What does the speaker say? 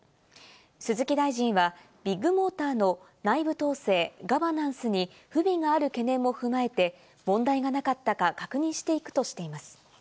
鈴木大臣はビッグモーターの内部統制＝ガバナンスに不備がある懸念も踏まえて、問題がなかったか確認していくとしています。